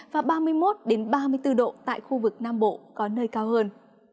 và ba mươi một ba mươi bốn độ tại khu vực nam bộ có nơi cao hơn